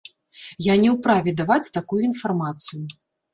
Я не ў праве даваць такую інфармацыю.